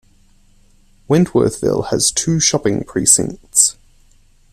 Wentworthville has two shopping precincts.